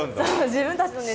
自分たちの熱で。